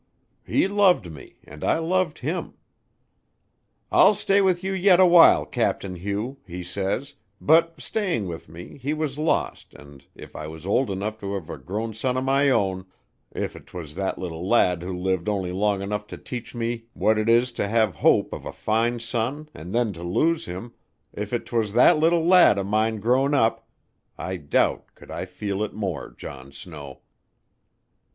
He loved me and I loved him. 'I'll stay with you yet a while, Captain Hugh,' he says, but, staying with me, he was lost, and if I was old enough to have a grown son o' my own, if 'twas that little lad who lived only long enough to teach me what it is to have hope of a fine son and then to lose him, if 'twas that little lad o' mine grown up, I doubt could I feel it more, John Snow."